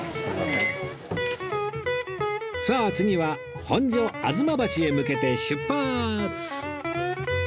さあ次は本所吾妻橋へ向けて出発！